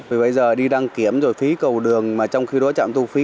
vì bây giờ đi đăng kiểm rồi phí cầu đường mà trong khi đối chạm thu phí